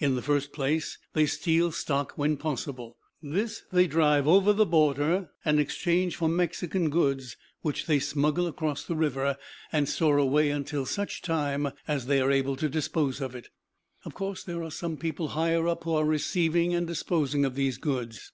In the first place they steal stock when possible. This they drive over the border and exchange for Mexican goods, which they smuggle across the river and store away until such time as they are able to dispose of it. Of course there are some people higher up who are receiving and disposing of these goods.